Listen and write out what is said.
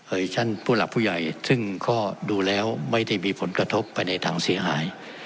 ท่านผู้หลักผู้ใหญ่ซึ่งก็ดูแล้วไม่ได้มีผลกระทบไปในทางเสียหาย